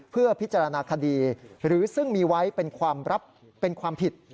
เพื่อพิจารณาคดีหรือซึ่งมีไว้เป็นความรับเป็นความผิด